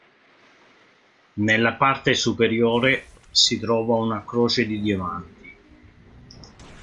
Nella parte superiore si trova una croce di diamanti.